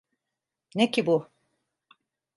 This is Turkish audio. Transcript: Ne ki bu?